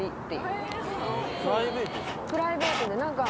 プライベートですか？